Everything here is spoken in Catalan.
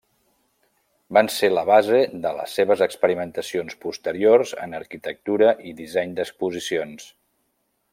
Van ser la base de les seves experimentacions posteriors en arquitectura i disseny d'exposicions.